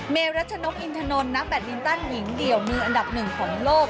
เมรัชนกอินทนนทนักแบตลินตันหญิงเดี่ยวมืออันดับหนึ่งของโลก